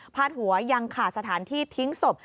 หัวยังขาดสถานที่ทิ้งศพ